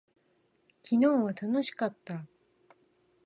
昨日は楽しかった。